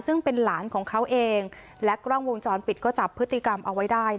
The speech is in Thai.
ซึ่งเป็นหลานของเขาเองและกล้องวงจรปิดก็จับพฤติกรรมเอาไว้ได้